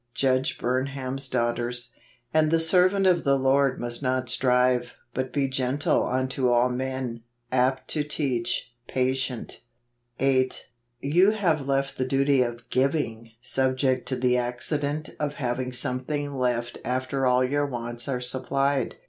Judge Burnham's Daughters. " And the servant of the Lord must not strive ; hut be gentle unto all men , apt to teach , patient 8. You have left the duty of giving subject to the accident of having something left after all your wants are supplied.